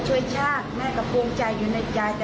ค่ะคุณรถตู้มาคนเดียว